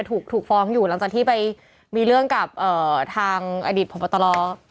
ถูกฟ้องอยู่หลังจากที่ไปมีเรื่องกับทางอดิษฐ์พระมตะล้อ